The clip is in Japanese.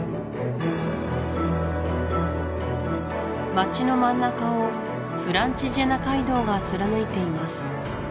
街の真ん中をフランチジェナ街道が貫いています